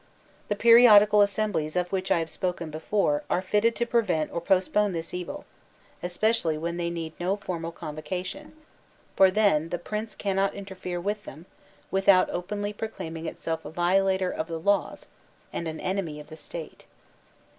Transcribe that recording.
The periodical assemblies of which I have spoken before are fitted to prevent or postpone this evil, especially when they need no formal convocation; for then the Prince cannot interfere with them, without openly proclaim ing itself a violator of the laws and an enemy of the State.